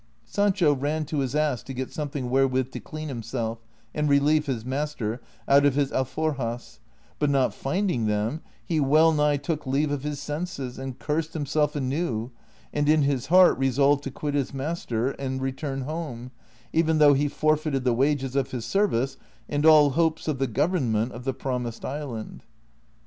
Sancho ran to his ass to get something wherewith to clean himself, and relieve his master, out of his alforjas ; but not finding them, he well nigh took leave of his senses, and cursed him self anew, and in his heart resolved to quit his master and return home, even though he forfeited the wages of his service and all hopes of the government of the promised island.